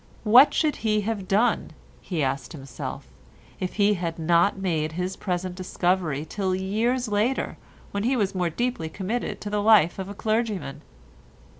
What should he have done, he asked himself, if he had not made his present discovery till years later when he was more deeply committed to the life of a clergyman?